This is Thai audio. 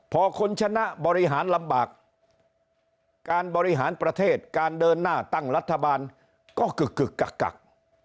พอคุณชนะบริหารลำบากการบริหารประเทศการเดินหน้าตั้งรัฐบาลก็กึกกึกกัก